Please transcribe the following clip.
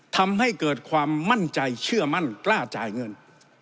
ทำให้เกิดความมั่นใจเชื่อมั่นกล้าจ่ายเงิน